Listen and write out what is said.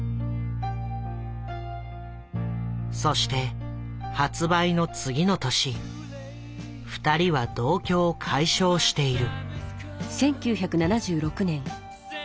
そして発売の次の年２人は同居を解消している。